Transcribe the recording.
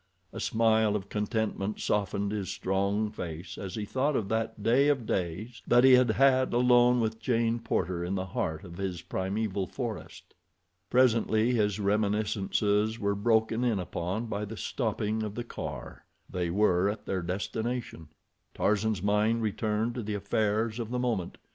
A smile of contentment softened his strong face as he thought of that day of days that he had had alone with Jane Porter in the heart of his primeval forest. Presently his reminiscences were broken in upon by the stopping of the car—they were at their destination. Tarzan's mind returned to the affairs of the moment.